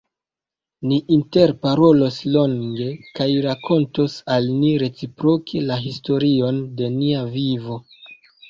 Ni interparolos longe kaj rakontos al ni reciproke la historion de nia vivo.